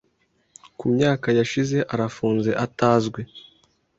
kumyaka yashize arafunze atazwi